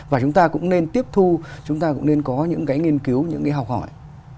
và chúng ta cũng nên tiếp thu chúng ta cũng nên có những cái nghiên cứu những cái học hỏi